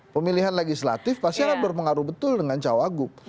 pemilihan legislatif pasti ada berpengaruh betul dengan cowok agung